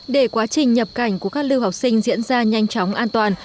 để quá trình nhập cảnh của các lưu học sinh diễn ra nhanh chóng an toàn